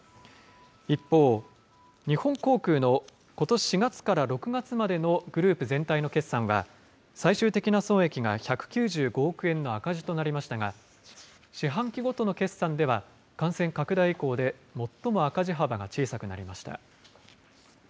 一方、日本航空のことし４月から６月までのグループ全体の決算は、最終的な損益が１９５億円の赤字となりましたが、四半期ごとの決算では、感染拡大以降で最も赤字幅が小さくなりました。